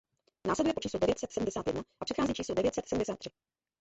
Následuje po číslu devět set sedmdesát jedna a předchází číslu devět set sedmdesát tři.